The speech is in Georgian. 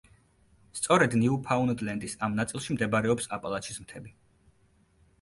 სწორედ ნიუფაუნდლენდის ამ ნაწილში მდებარეობს აპალაჩის მთები.